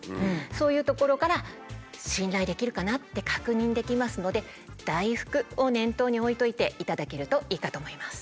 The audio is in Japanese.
そういうところから信頼できるかなって確認できますので「だいふく」を念頭に置いといていただけるといいかと思います。